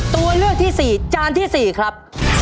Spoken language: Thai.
ตัวเลือกที่สี่จานที่สี่ครับ